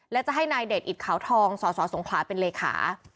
และจะให้นายเดชอิตขาวทองสสสงขลาเป็นเลขา